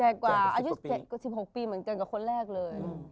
กว่าอายุ๑๖ปีเหมือนกันกับคนแรกเลย